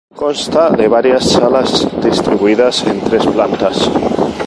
Consta de varias salas distribuidas en tres plantas.